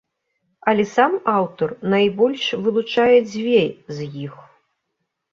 Але сам аўтар найбольш вылучае дзве з іх.